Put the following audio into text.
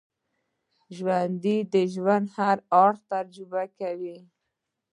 ژوندي د ژوند هر اړخ تجربه کوي